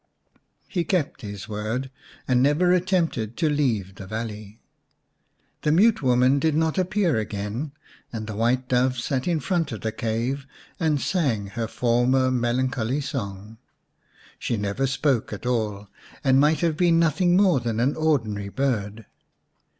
He kept his word and never attempted to leave the valley. The Mute Woman did not appear again, and the White Dove sat in front of the cave and sang her former melancholy song. She never spoke at all, and might have been nothing more than an ordinary bird.